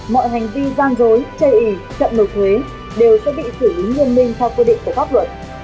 mọi hành vi gian dối chây ý chậm nộp thuế đều sẽ bị xử lý nghiêm minh theo quy định của pháp luật